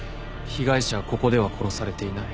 被害者はここでは殺されていない。